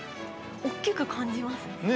◆大きく感じますね。